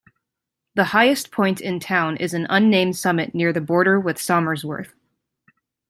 The highest point in town is an unnamed summit near the border with Somersworth.